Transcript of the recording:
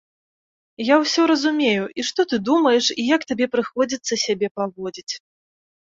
Я усе разумею, і што ты думаеш, і як табе прыходзіцца сябе паводзіць.